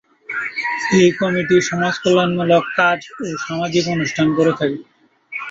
এই কমিটি সমাজকল্যাণমূলক কাজ ও সামাজিক অনুষ্ঠান করে থাকে।